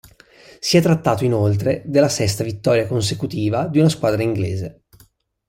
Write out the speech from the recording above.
Si è trattato inoltre della sesta vittoria consecutiva di una squadra inglese.